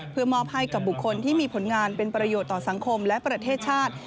เพื่อมอบให้กับบุคคลที่มีผลงานเป็นประโยชน์ต่อสังคมและประเทศชาติ